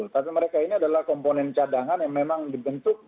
tapi mereka ini adalah komponen cadangan yang memang dibentuk